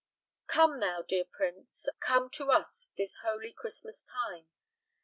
_Come thou, dear Prince, oh, come to us this holy Christmas time!